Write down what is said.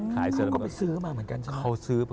เขาก็ไปซื้อบ้างเหมือนกันใช่ไหม